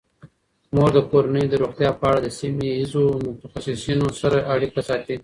مور د کورنۍ د روغتیا په اړه د سیمه ایزو متخصصینو سره اړیکه ساتي.